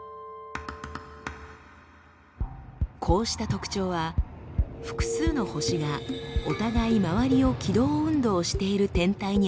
こうした特徴は複数の星がお互い周りを軌道運動している天体に現れます。